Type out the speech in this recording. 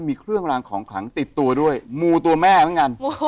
มือตัวแม่ตั้งงั้น